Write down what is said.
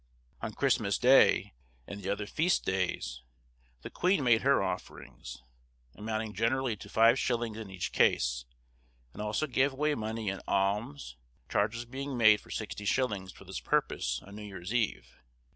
On Christmas Day and the other feast days, the queen made her offerings, amounting generally to five shillings in each case, and also gave away money in alms, charges being made for sixty shillings for this purpose on New Year's Eve.